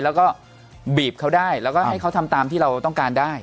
แล้วก็ให้เขาทำตามที่เราต้องการได้